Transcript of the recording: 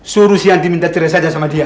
suruh si yanti minta cerai saja sama dia